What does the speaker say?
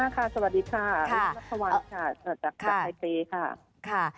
ค่ะสวัสดีค่ะลับทวันจากไทยเตรีย์ค่ะ